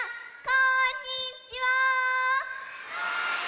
こんにちは！